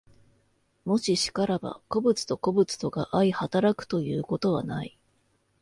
もし然らば、個物と個物とが相働くということはない。